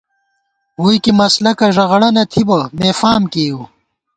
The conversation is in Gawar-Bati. ووئی کی مسلَکہ ݫَغَڑہ نہ تھِبہ، مےفام کېئیؤ